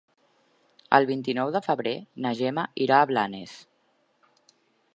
El vint-i-nou de febrer na Gemma irà a Blanes.